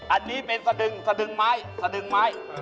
อันนี้เป็นสะดึงสะดึงไม้สะดึงไม้